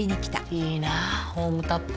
いいなホームタップ。